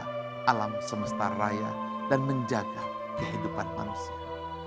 menjaga alam semesta raya dan menjaga kehidupan manusia